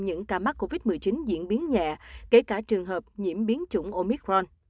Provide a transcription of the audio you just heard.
những ca mắc covid một mươi chín diễn biến nhẹ kể cả trường hợp nhiễm biến chủng omicron